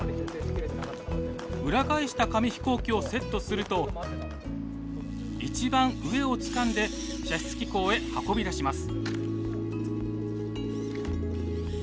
裏返した紙飛行機をセットすると一番上をつかんで射出機構へ運び出します。